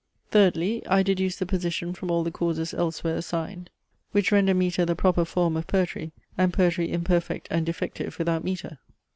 Thirdly, I deduce the position from all the causes elsewhere assigned, which render metre the proper form of poetry, and poetry imperfect and defective without metre.